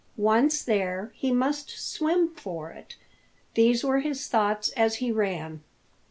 Once there, he must swim for it. These were his thoughts as he ran.